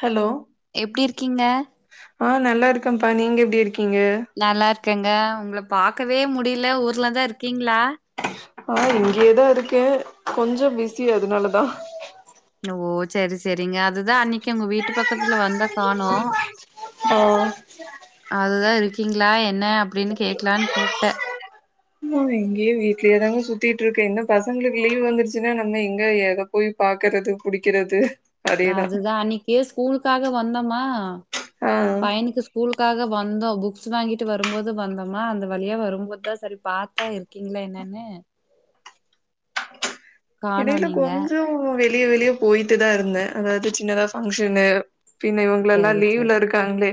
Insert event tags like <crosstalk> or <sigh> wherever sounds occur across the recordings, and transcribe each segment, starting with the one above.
Hello கிங்க ஆ நல்லா இருக்கேப்பா நீங்க எப்டி இருக் நல்லாருக்கேங்க உங்கள பாக் க்கவே முடில ஊர்லதா இருக்கீங்களா ஆ இங்கயேதா இருக்கே கொஞ்சோ பிஸி அதனாலதா ஓ செர் செரிங்க அதுதா அன்னிக்கி உங்க வீட்டு பக்கத்துல வந்தா காணு <unintelligible> அதுதா இருக்கீங்களா என்ன அப்டின்னு கேக்கலான்னு கூப்ட்ட <unintelligible> இங்கயே வீட்லயே தாங்க சுத்திட்டுருக்கே என்ன பசங்களுக்கு லீவ் வந்துருச்சுன்னா நம்ம எங்க எத போய் பாக்கறது புடிக்கிறது நா அதேதா அதுதா அன்னைக்கே ஸ்கூலுக்காக வந்தோமா ஆ பையனுக்கு ஸ்கூலுக்காக வந்தோம் புக்ஸ் வாங்கிட்டு வரும்போது வந்தோமா அந்த வழியா வரும்போது தா சரி பாத்த இருக்கீங்களா என்னன்னு காணோ எடையில நீங்க கொஞ்சோ வெ வெளிய வெளிய போயிட்டு தா இருந்தே அதாவ்து சின்னதா ஃபங்க்ஷனு பின்ன இவங்களெல்லா செரி லீவ்ல செரி இருக்காங்ளே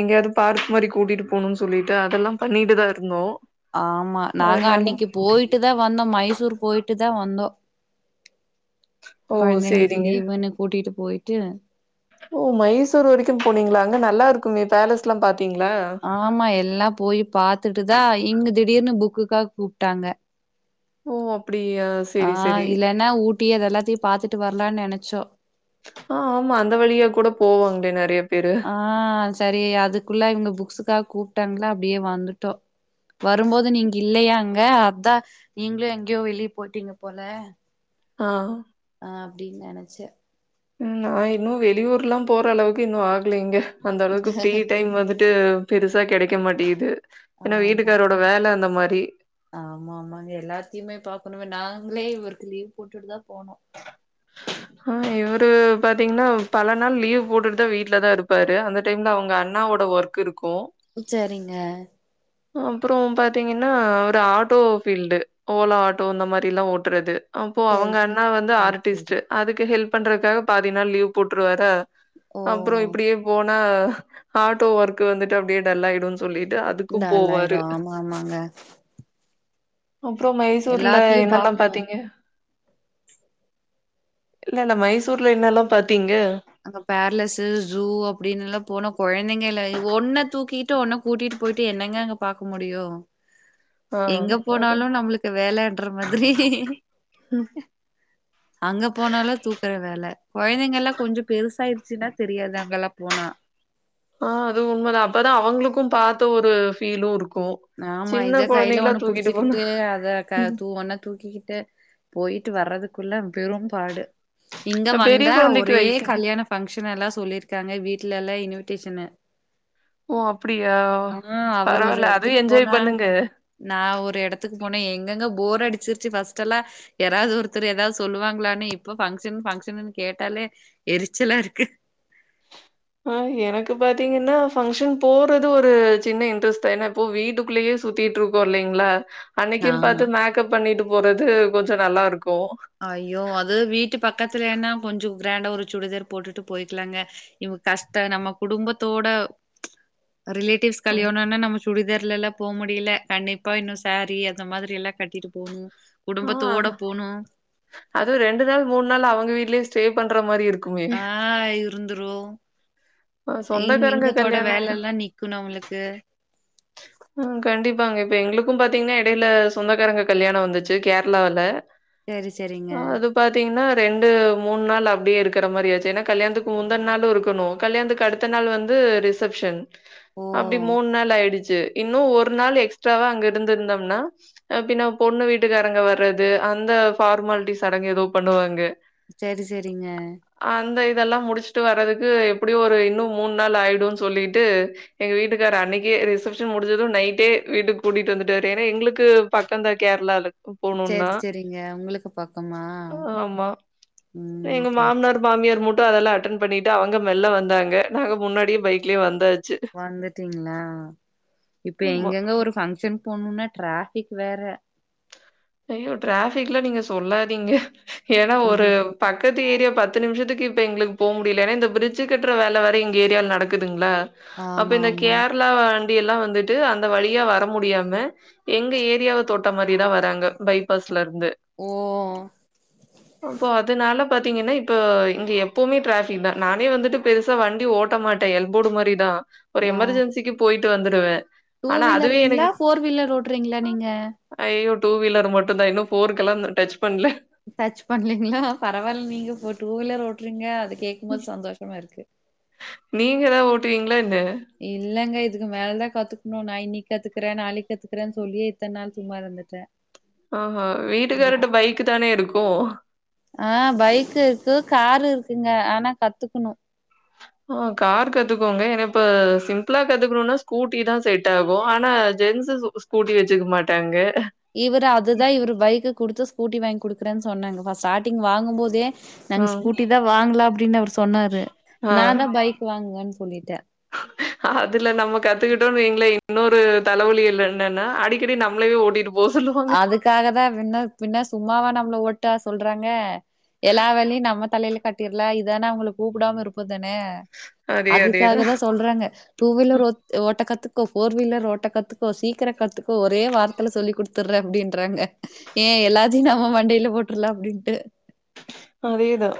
எங்கயாவ்து பார்க் மாரி கூட்டிட்டு போணுன் சொல்லிட்டு அதெல்லா பண்ணிட்டு தா இருந்தோ ஆமா நாங்க அதனால அன்னிக்கு போய்ட்டு தா வந்தோ மைசூர் போய் ட்டுதா வந்தோ ஓ கொழ்ந்தைங்களுக்கு சேரிங்க லீவுன்னு கூட்டிட்டு போய் டு ஓ மைசூர் வரைக்கு போனீங்ளா, அங்க நல்லா இருக்குமே பேலஸ்ல்லா பாத் ஆமா எல்லா போயி பாத்துட்டு தா இங்க திடீர்னு புக்குக்காக் கூப்ட்டாங்க ஓ அப் ஆஹ் இல்லைன்னா ஊட்டி அத எல்லாத்தியு பாத்துட்டு வர்லான் நெனச் சோ ஆஹ் ஆமா அந்த வழியா கூட போவாங்ளே நெறைய பேரு ஆஹ் சரி அதுக்குள்ள இவங்க புக்ஸுக்காக் கூப் ட்டாங்களா அப்டியே வந்துட்டோ வரும்போது நீங்க இல்லையா அங்க அதா நீங்களு எங்கயோ வெளிய போய்ட்டீங்க போல ஆஹ் நா அப்டின் நெனச்சே உம் நா இன்னு வெளியூர்லா போற அளவுக்கு இன்னு ஆகலைங்க அந்தளவுக்கு ஃப்ரீ டைம் வந்துட் டு பெருசா கெடைக்க மாட்டிகுது. ஏனா ஆமா வீட்டுக்காரோட வேல அந்த மாரி ஆமா ஆமாங்க எல்லாத்தியுமே பாக்கணுமே நாங்களே இவருக்கு லீவ் போட்டுட்டு தா ஆஹ் இவர் ட்டு பாத்தீங்னா பல நாள் லீவ் போட்டுட்டு தா வீட்ல தா இருப்பாரு அந்த டைம்ல அவங்க அண்ணாவோட ஒர்க் இருக் செரிங்க அ அப்றோ பாத்தீங்கன்னா அவரு ஆட்டோ ஃபீல்டு ஓலா ஆட்டோ இந்த மாரில்லா ஓட்றது அப்போ சரி அவங்க அண்ணா வந்து சரி சரி ஆர்டிஸ்ட்டு அதுக்கு ஹெல்ப் பண்றக்காக பாதி நாள் லீவ் போட்ருவாரா ஓ அப்பறோ இப்டியே போ னா ஆட்டோ ஒர்க் வந்துட்டு அப்டியே டல்லாயிடு சொல்லிட்டு அது நாலாய்ரோ ஆமா ஆமாங்க அப்றோ மைசூர்ல எல்லாத்தையு என்னல்லா பாக்கணு பாத்தீங்க இல்ல நம் மைசூர்ல இன்னாலு பாத்தீங்க அங்க பேலசு ஜூ அப்டின்னெல்லா போன கொழந் தைங்கள ஒன்ன தூக்கிட்டு ஒன்ன கூட்டிட்டு போயிட்டு என்னங்க அங்க பாக்க முடியு ஆ எங்க அது போனாலும் நம்மளுக்கு வேலைன்ற மாதிரி ம். அங்க போனாலும் தூக்குற வேல கொழந்தைங்கெல்லா கொஞ்சோ விசாரிச்சுன்னா தெரியாது அங்கெல்லா போனா ஆஹ் அது உண்மதான அப்பதா அவுங்களுக்கு பாத்த ஒரு ஃபீலுருக் ஆமா இத சைட்ல ஒண்ணு போனா புடிச்சுக்கிட்டு அத க தூ ஒண்ண தூக்கிக்கிட்டு போயிட்டு வர்றதுக் க்குள்ள பெரும்பாடு இங்க பெரிய வந்தா குழந்தைக்கு ஒரே வயசு கல்யாண பங்க்ஷனல்லா சொல்லிருக்காங்க வீட்லலெல்லா குட்டீஸுன்னு ஓ அப்புடியா பரவால அதையு என்ஜாய் அ பண்ணுங்க நா ஒரு எடத்துக்கு போன எங்க எங்க போர் அடிச்சிருச்சு ஃபஸ்ட்டெல்லா யாராவது ஒருத்தரு ஏதாவது சொல்லுவாங்களான்னு இப்ப பங்க்ஷன் பங்க்ஷன்னு கேட்டாலே எரிச்சலாருக்கு ஆஹ் எனக்கு பாத்தீங்ன்னா பங்க்ஷன் போறது ஒரு சின்ன இன்ட்ரெஸ்ட் தா ஏன்ன இப்போ வீட்டுக்குள்ளேயே சுத்திட்டுருக்கோ இல்லைங்களா அன்னைக்குன்னு ஆமா பாத்து மேக்கப் பண்ணிட்டு போறது கொஞ்சோ நல்லாருக்கு ஐயோ அது வீட்டு பக்கத்துலேன்னா கொஞ்சோ கிராண்டா ஒரு சுடிதார் போட்டுட்டு போயிக்கலாங்க இவுங்க கஷ்டோ நம்ம குடும்பத்தோட ரிலேடிவ்ஸ் ம் கல்யாணோன்னா நம்ம சுடிதார் த்துலல்லா போ முடியல கண்டிப்பா இன்னு சாரீ அந்த மாதிரியெல்லா கட்டிட்டு போணு ஆ குடும்பத்தோட போணு அதுவு ரெண்டு நாள் மூணு நாள் அவுங்க வீட்லயே ஸ்டே பண்ற மாதிரி இருக்கு ஆஹ் இருந்துரு ஆ இங் சொந்தக்காரங்க இங்கத்தோட கல்யாணோ வேலல்லா நிக்கணு அவுங்களுக்கு அஹ் கண்டிப்பாங்க இப்ப எங்களுக்கு பாத்தீங்ன்னா ஈடையில சொந்தக்காரங்க கல்யாணோ வந்துச்சு கேரளாவுல சரி சரிங்க அ அது பாத்தீங்ன்னா ரெண்டு மூணு நாள் அப்டியே இருக்கற மாரி ஆச்சு ஏன்னா கல்யாணத்துக்கு முந்தன நாளு இருக்கணு கல்யாணத்துக்கு அடுத்த நாள் வந்து ரிசப்ஷன் ஓ அப்டி மூணு நாள் ஆயிடுச் ச்சு இன்னு ஒரு நாள் எக்ஸ்ட்ராவா அங்க இருந்திருந்தோம்னா அ பின்ன பொண்ணு வீட்டுக்காரங்க வர்றது அந்த ஃபார்மாலிட்டிஸ் சடங்கு ஏதோ பண்ணுவாங்க சரி சரிங்க இதெல்லா முடிச்சுட்டு வறதுக்கு எப்டியே ஒரு இன்னு மூணு நாள் ஆயிடு சொல்லிட்டு எங்க வீட்டுக்காரு அன்னைக்கே ரிஷப்சன் ஷன் முடிஞ்சது நைட்டே வீட்டுக்கு கூட்டிட்டு வந்துட்டு <unintelligible> எங்களுக்கு பக்கம்தா கேரளாக்கு செர் செரிங்க உங்களுக்கு பக்கமா ஆமா. உம் செர்‌ செ இங்கு அதெல்லா அட்டன் பண்ணிட்டு அவங்க மெல்ல வந்தாங்க நாங்க முன்னாடியே பைக்ல வந்தாச் வந்துட்டீங்க்ளா இப்ப ஆமா. எங்கெங்க ஒரு ஃபங்க்ஷன் போணுனா ட்ரா ஃபிக் வேற ஐயோ டிராஃபிக்லா நீங்க சொல்லாதீங்க ஏன்னா ஒரு ம் பக்கத் து ஏரியா பத்து நிமிஷத்துக்கு இப்ப எங்களுக்கு போ முடியல ஏன்னா இந்த பிரிட்ஜு கட்டுற வேல வேற எங்க ஏரியால நடக்குதுங்களா அப்ப ஆமா இந்த ஆமா கேரளாவ எல்லா வந்துட்டு அந்த வழியா வர முடியாம எங்க ஏரியாவ தொட்ட மாரிதா வராங்க பைபாஸ்ல இருந்து ஓ அப்போ அதுனால பாத்தீங்கன்னா இப்ப இங்க எப்பவுமே டிராஃபிக் தா நானே வந்துட்டு பெருசா வண்டி ஓட்ட மாட்டே எல்போர்டு மாரிதா ஒரு ஆ எமர்ஜன்சிக்கு போய் ட்டு வந்துடுவே டூ வீலருங்க்ளா ஃபோர் வீலர் ஓடுறீங்களா நீங்க ஐயோ! டூ வீலர் மட்டுதா இன்னு ஃபோர்கெல்லான் டச் பண்ல டச் பண்லைங்களா பரவாயில்ல நீங்க ஃபோ டூ வீலர் ஓடுறீங்க அது கேக்கும்போது சந்தோஷமா இருக்கு நீங்க எதா ஓட்டுவீங் இல்லங்க இ இதுக்கு மேலதா கத்துக்கணு நா இனிக்கி கத்துக்கறே நாளைக்கு இதுக்கறேன்னு சொல்லியே இத்தன நாள் சும்மா இருந்துட்டே ஆஹா. இல்ல வீட்டுக்காரர்ட்ட பைக் தானே இருக்கும். ஆ பைக் இருக்கு காரு இருக் குங்க ஆனா கத்துக்கணு ஆ கார் கத்துக்கோங்க ஏன இப்ப சிம்பிளா கத்துக்கணுனா ஸ்கூட்டி தா செட் ஆகு ஆனா ஜென்ஸ் ஸு ஸ்கூட்டி வச்சுக்க மாட்டாங்க இவரு அதுதா இவரு பைக்கு குடுத்து ஸ்கூட்டி வாங்கி குடுக்குறேன்னுச் சொன்னாங்க பா ஸ்டார்டிங் வாங்கம்போதே நாங்க ம். ஸ்கூட்டி தா வாங்கலா அப்டின்னு அவர் சொன்னாரு ஆ நா தா பைக் வாங்குங்கன் சொல்லிட்டே அதுல நம்ம கத்துக்கிட்டோனு வைங்களே இன்னொரு தலவலிகள் என்னன்னா அடிக்கடி நம்மளவே ஓட்டிட்டுப் அதுக்காக தா பின்ன பின்ன சும்மாவா நம்மள ஓட் ட சொல்றாங்க எல்லா வேலையு நம்ம தலையில கட்டிடலா இதானே அவங்கள கூப்டாம இருக்கூதானே அதே அதுக்காக அதேதான். தா சொல்றாங்க டூ வீலர் ஓத் ஓட்டக்கத்துக் கோ ஃபோர் வீலர் ஓட்டக்கத்துக்கோ சீக்கிர கத்துக்கோ ஒரே வாரத்துல சொல்லி கொடுத் துற்ற அப்டின்றாங்க ஏ எல்லாத்தையு நாம மண்டையில போட்டுரலா அப்டின்ட்டு அதேதா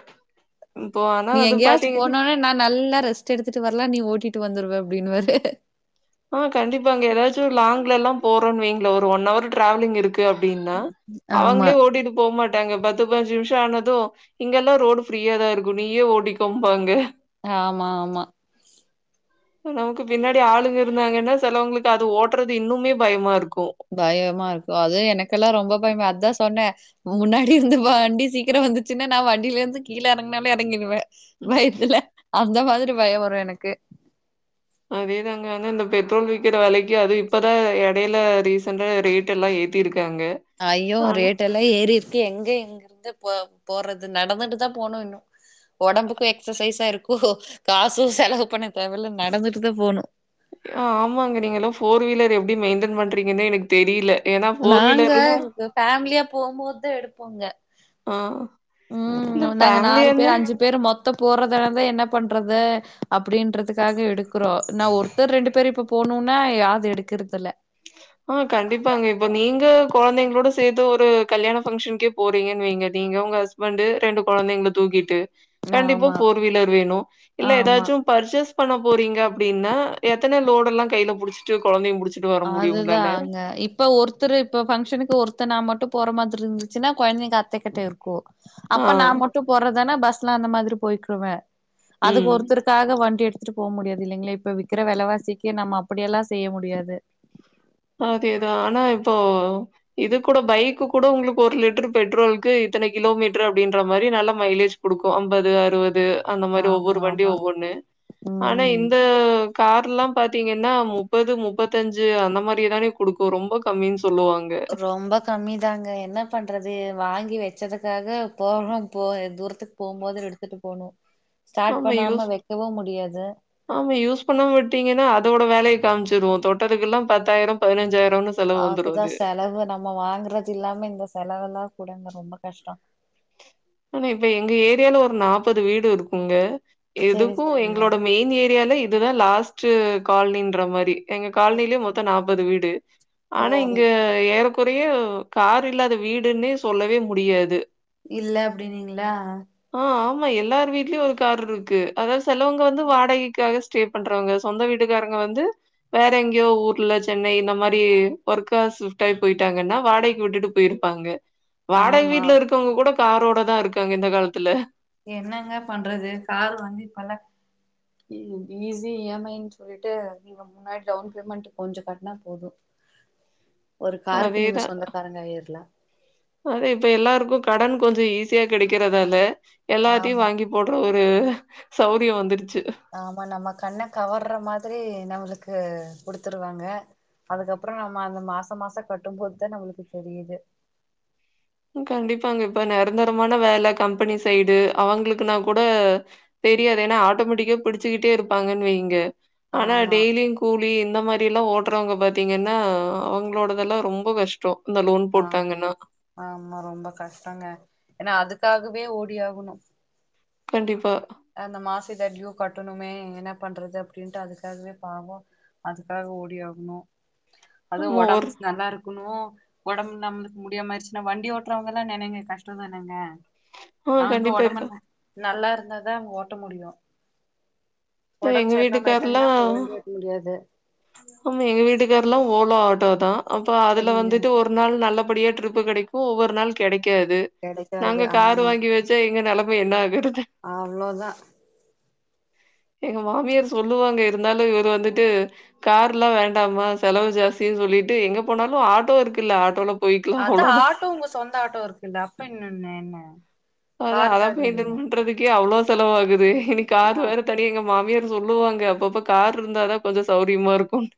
நீ எங்கேயாச்சு போனாவே நா நல்லா ரெஸ் ட்டு எடுத்துட்டு வர்லா நீ ஓட்டிட்டு வந்துருவ அப்டின்னுவாரு ஆ கண்டிப்பாங்க ஏதாச்சும் லாங்லல்லா போறோம்னு வைங்களே ஒரு ஒன் ஹர் டிராவலிங் இருக்கு அப்டின்னா ஆமா அவங்களே ஓடிட்டு போ மாட் ட்டாங்க பத்து பஞ்சு நிமிஷம் ஆனதும் இங்கெல்லாம் ரோடு ஃப்ரீயா தா இருக்கும் நீயே ஓடிக்கோம்பாங்க ஆமா ஆமா நமக்கு பின்னாடி ஆளுங்க இருந்தாங்கன்னா சிலவங்களுக்கு அது ஓட்டுறது இன்னுமே பயமா இருக்கு பயமா இருக்கும் அதுவும் எனக்கெல்லா ரொம்ப பயமா அதுதா சொன்னே முன்னாடி இருந்து வண்டி சீக்கிரம் வந்துச்சுன்னா நா வண்டியிலே இருந்து கீழேறங்கினாலே இறங்கிடுவே பயத்துல அந்த மாரி த்துடு பயம் வரும் எனக்கு அதேதாங்க வந்து இந்த பெட்ரோல் விக்கிற வெலைக்கு அது இப்பதா இடையில ரீசண்ட ரேட் எல்லா ஏத்தி இருக்கு அய்யோ ரேட் எல்லாம் ஏரி எங்க எங்க இருந்த போ போட்றது நடந்துட்டு தா போணும் இன்னும் உடம்புக்கும் எக்ஸ்சசைஸா இருக்கும். காசும் செலவு பண்ண தேவல நடந்துட்டுதா போணும் ஆ, ட்றிங்கனு எனக்கு தெரியல. ஏன்னா ஃபோர் நாங்க வீலர்ல்லா ஃபேமிலியா போகும்போது எடுப்போங்க ஆ ம் இல்ல நாங்க நாலு ஃபேமிலியானா பேர் அஞ்சு பேரு மொத்தம் போறதுனதா என்ன பண்றது த அப் அப்டின்றதுக்காக எடுக்குறோ நா ஒருத்தர் ரெண்டு பேர் இப்ப போனும்னா யாது எடுக்கறதுல ஆ கண்டிப்பாங்க இப்ப நீங்க குழந்தைங்களோட சேத்து ஒரு கல்யாண ஃபங்க்ஷன்கே போறீங்கன்னு வைங்க நீங்க உங்க ஹஸ்பண்ட் ரெண்டு குழந்தைங்கள தூக்கிட்டு கண்டிப்பா ஆமா ஃபோர் வீலர் வேணும் இல்ல ஆமா ஏதாச்சும் பர்ச்சேஸ் பண்ண போறீங்க அப்டின்னா எத்தன லோட எல்லா கையில புடிச்சிட்டு குழந்தையும் புடிச்சட்டு ச்ட்டு வர முடியும்ங் தான்ங்க இப்ப ஒருத்தர் இப்ப பங்க்ஷனுக்கு ஒருத்தனா மட்டும் போற மாரி இருந்துச்சுன்னா குழந்தைங்க அத்தக்கிட்டே இருக்கும் ஆ. அப்ப நா மட்டும் போறதானே பஸ் ட்லா அந்த மாதிரி போயிக்குவே அதுக்கு ம். ஒருத்தருக்காக வண்டி எடுத் டுத்துட்டு போக முடியாது இல்லைங்களா இப்ப விறக்கிற விலவாசிக்கு நம்ம அப்படியெல்லாம் செய்ய முடியாது. அதேதா ஆனா இப்போ இது கூட பைக்கு கூட உங்களுக்கு ஒரு லிட்டரு பெட்ரோல்க்கு இத்தன கிலோமீட்டர் அப்படின்ற மாரி நல்ல மைலேஜ் குடுக்கும் ஐம்பது அறுபது அந்த மாரி ஒவ்வொரு ஆமா வண்டியும் ஆமா ஒவ்வொன்னு ஆனா ம் இந்த கார் எல்லா பாத்தீங்கன்னா முப்பது முப்பத்தஞ்சு அந்த மாரி ரிதானே குடுக்கும் ரொம்ப கம்மினு ரொம்ப கம்மிதாங்க என்ன பண்றது வாங்கி வச் ச்சதுக்காக போகம் போய தூரத்துக் போம்போது எடுத்துட்டு போணூ ஸ்டாட் ஆமா பண்ணாம யூஸ் வெக்கவூ முடியாது காம்ச்சிடூ தொட்டதுக்கெல்லா பத்தாயிரோ பதினஞ்சாயிர் அதுதா செலவு நம்ம வாங்கறது இல்லாம இந்த செலவுல்லா கூடங்க ரொம்ப கஷ்டோ ஆனா இப்ப எங்க ஏரியால ஒரு நாப்பது வீடு இருக்கூங்க சரி எதுக்கூ சரிங்க. எங்களோட மெயின் ஏரியால இதுதா லாஸ்ட் சு கால்னின்ற மாரி எங்க கால்னிலே மொத்தோ நாப் பது வீடு ஓ ஆனா இங்க ஏற குறைய கார் இல்லாத வீடுன்னே சொல்லவே முடியாது இல்ல அப்டினீங்களா ஆ, ஆமா எல்லார் வீட்லயூ ஒரு கார் இருக்கு அதாவ்து செலவங்க வந்து வாடகைக்காக ஸ்டே பண்றவங்க சொந்த வீட்டுக்காரங்க வந்து வேற எங்கேயோ ஊர்ல சென்னை இந்த மாரி ஒர்க்கா ஸிஃப்ட் ஆயி போயிட்டாங்கன்னா வாடகை விட்டுட்டு போயிருப்பாங்க வாடக ஆமா. வீட்டுல இருக்கவுங்க கூட காரோட தா இருக்காங்க இந்த காலத்துல என்னங்க பண்றது காரு வந்து இப்பல்லா ஈ ஈஸி இ எம் ஐ னு சொல்லிட்டு நீங்க முன்னாடி டவுன் பேமெண்ட் கொஞ்சோ கட்னா போதூ அதேதா அத இப்ப எல்லாருக்கூ கடன் கொஞ்சோ ஈஸியாக கெடைக்கிறதால எல்லாத்தையூ ஆமா. வாங்கி போடுற உ சௌரியோ வந்துடு ஆமா நம்ம கண்ண கவர்ற மாத்ரி நம்மளுக்கு குடுத்துருவாங்க அதுக்கப்றோ நம்ம அந்த மாச மாசோ கட்டும்போதுதா நம்மளுக்கு தெரியுது கண்டிப்பாங்க இப்ப நெரந்தரமான வேல கம்பெனி சைடு அவங்களுக்குனா கூட தெரியாது ஏன்னா ஆட்டோமேட்டிக்கா புடிச்சுகிட்டே இருப்பாங்கன்னு வைங்க ஆனா ஆமா டெய்லியூ கூலி இந்த மாரி எல்லாம ஓடுறவங்க பாத்தீங்கன்னா அவங்களோடதெல்லா ரொம்ப கஷ்டோ இந்த லோன் போட்டாங்கன்னா மா ரொம்ப கஷ்டோங்க ஏனா அதுக்காகவே ஓடி ஆகணூ கண்டிப்பா அந்த மாசோ இத டியூ கட்டணுமே என்ன பண்றது அப்டின்ட்டு அதுக்காகவே பாவோ அதுக்காக ஓடி ஆகணூ அது ஆமா ஒரு ஒடம்ப்ஸ் நல்லாருக் குணூ ஒடம்பு நம்மளுக்கு முடியாம ஆயிர்ச்சுன்னா வண்டி ஓட்டுறவங்கல்லா நெனைங்க கஷ்டோந்தானங்க. ஆ அவுங்க கண்டிப்பா இப்ப ஒடம்பெல்லா நல்லாருந்த தா அங்க ஓட்ட முடியூ இப்ப ஒடம்ப் எங்க சரிலாம ஆயிட்டாங்கனா வீட்டுக்காரர்லாம் அப்போ வண்டி ஓட்ட முடியாது ஆமா எங்க வீட்டுக்காரெல்லா ஓலோ ஆட்டோ தா அப்ப அதுல சரிங்க வந்துட்டு ஒரு நாள் நல்லபடியா ட்ரிப் கெடைக்கு ஒவ்வொரு நாள் கெடைக் க்காது. கெடைக்காது நாங்க காரு ஆமாமா வாங்கி வெச்சா எங்க நெல மா என்னாகுறது அவ்ளோதா எங்க மாமியார் சொல்லுவாங்க இருந்தாலு இவர் வந்துட்டு கார்லா வேண்டாமா செலவு ஜாஸ்த்தி சொல்லிட்டு எங்க போனாலு ஆட்டோ இருக்குள்ள ஆட்டோல போய்க்கலாம் அதா அவ்வளோதான். ஆட்டோ உங்க சொந்த ஆட்டோ இருக்குள்ள அப்ப என்னன்ன என்ன <inaudible> அதா அத காருக்காக மெயின்டென் என்ன பண்றதுக்கே அவ்ளோ செலவாகுது இனி காரு ஆ வேற <unintelligible> எங்க மாமியாரு சொல்லுவாங்க அப்பப்ப கார் இருந்தாதா கொஞ்சோ சௌரியமா இருக்கூன்டு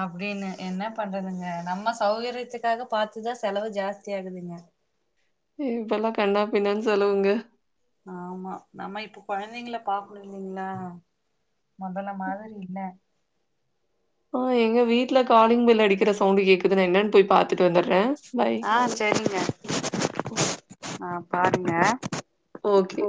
அப்டினு. என்ன பண்றதுங்க. நம்ம சௌகரியத்துக்காக பாத்துதா செலவு ஜாஸ்தி ஆகுதுங்க. ஐயோ இப்பலா கண்ணா பின்னானு செலுவுங்க ஆமா நம்ம இப்ப கொழந்தங்ள பாக்கணு இல்லிங்களா. மொதல மாதிரி இல்ல. அ எங்க வீட்ல காலிங் பெல் அடிக்கிற சவுண்ட் கேக்குது நா என்னனு போய் பாத் துட்டு வந்துட்றே. பாய். ஆ செரிங்க ஓகே ஆ பாருங்க ஓகே